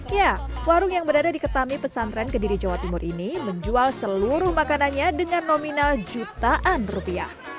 ya warung yang berada di ketami pesantren kediri jawa timur ini menjual seluruh makanannya dengan nominal jutaan rupiah